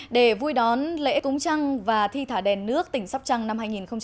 để vui đón lễ cúng trăng và thi thả đèn nước tỉnh sóc trăng năm hai nghìn hai mươi